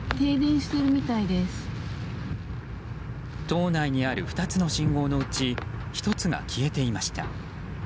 島内にある２つの信号のうち１つが消えていました。